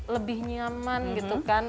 lebih nyaman gitu kan